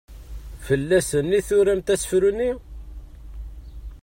Fell-asen i turamt asefru-nni?